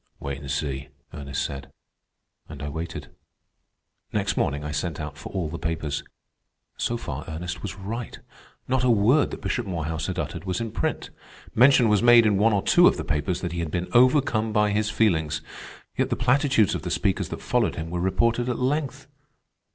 "Wait and see," Ernest said, and I waited. Next morning I sent out for all the papers. So far Ernest was right. Not a word that Bishop Morehouse had uttered was in print. Mention was made in one or two of the papers that he had been overcome by his feelings. Yet the platitudes of the speakers that followed him were reported at length.